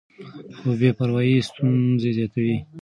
خو بې پروايي ستونزې زیاتوي.